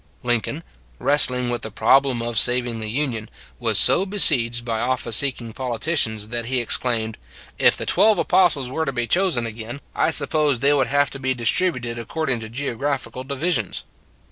Lincoln, wrestling with the problem of saving the Union, was so besieged by of fice seeking politicians that he exclaimed: " If the twelve apostles were to be chosen again, I suppose they would have to be distributed according to geographical di visions."